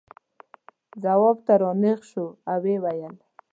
ځواب ته را نېغ شو او یې وویل.